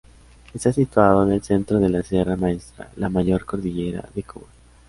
Está situado en el centro de la Sierra Maestra, la mayor cordillera de Cuba.